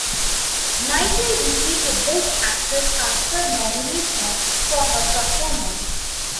Knightley received a Best Actress Oscar nomination for her performance.